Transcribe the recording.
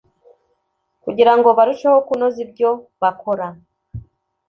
kugira ngo barusheho kunoza ibyo bakora.